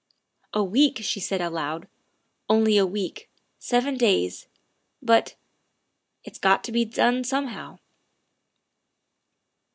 ''A week," she said aloud, " only a week, seven days. But it 's got to be done somehow.